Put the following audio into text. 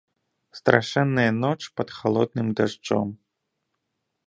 Страшэнная ноч пад халодным дажджом.